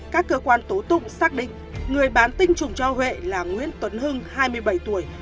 các cơ quan tố tụng xác định người bán tinh trùng cho huệ là nguyễn tuấn hưng hai mươi bảy tuổi